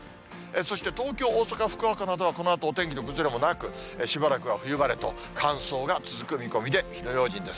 そして東京、大阪、福岡などはこのあと、お天気の崩れもなく、しばらくは冬晴れと乾燥が続く見込みで、火の用心です。